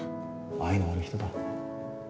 愛のある人だ。